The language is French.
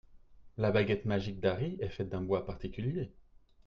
La baguette magique d’Harry est faite d’un bois particulier.